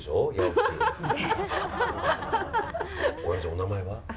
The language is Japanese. お名前は？